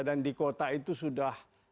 dan di kota itu sudah